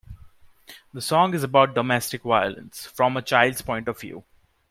The song is about domestic violence from a child's point of view.